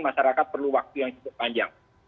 masyarakat perlu waktu yang cukup panjang